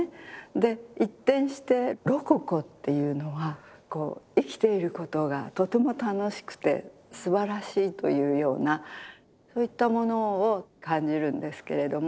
で一転してロココっていうのはこう生きていることがとても楽しくてすばらしいというようなそういったものを感じるんですけれども。